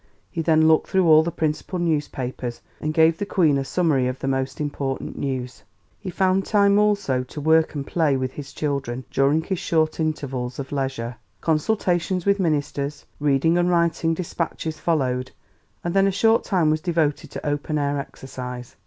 He then looked through all the principal newspapers and gave the Queen a summary of the most important news. He found time also to work and play with his children during his short intervals of leisure. Consultations with ministers, reading and writing dispatches followed, and then a short time was devoted to open air exercise.